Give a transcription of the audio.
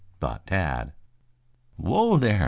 thought Tad. "Whoa there!"